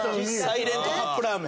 サイレントカップラーメン。